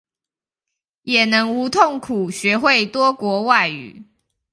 也能無痛苦學會多國外語